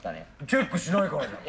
チェックしないからだよ。